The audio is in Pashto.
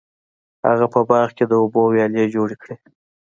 هغه په باغ کې د اوبو ویالې جوړې کړې.